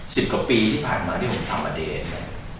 สิบกว่าปีที่ผ่านมาที่ผมทำอเตรน